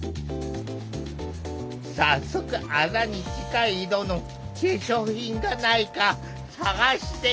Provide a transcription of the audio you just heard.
早速あざに近い色の化粧品がないか探してみると。